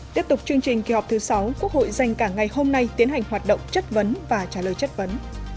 tiếp tục chương trình kỳ họp thứ sáu quốc hội dành cả ngày hôm nay tiến hành hoạt động chất vấn và trả lời chất vấn